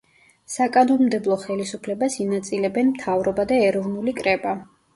საკანონმდებლო ხელისუფლებას ინაწილებენ მთავრობა და ეროვნული კრება.